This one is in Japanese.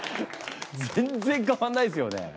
全然変わんないですよね。